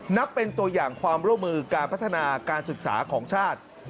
นับเป็นตัวอย่างความร่วมมือการพัฒนาการศึกษาของชาติ